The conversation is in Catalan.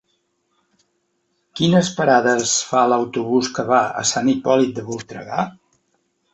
Quines parades fa l'autobús que va a Sant Hipòlit de Voltregà?